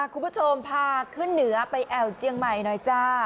คุณผู้ชมพาขึ้นเหนือไปแอวเจียงใหม่หน่อยจ้า